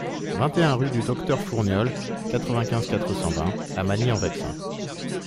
vingt et un rue du Docteur Fourniols, quatre-vingt-quinze, quatre cent vingt à Magny-en-Vexin